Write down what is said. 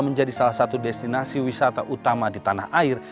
menjadi salah satu destinasi wisata utama di tanah air